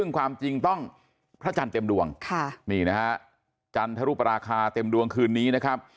ซึ่งความจริงต้องพระจันทร์เต็มดวงนี่นะฮะจันทรุปราคาเต็มดวงคืนนี้นะครับ